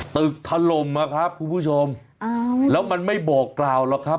ถล่มนะครับคุณผู้ชมแล้วมันไม่บอกกล่าวหรอกครับ